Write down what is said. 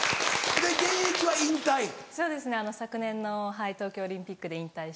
昨年の東京オリンピックで引退して。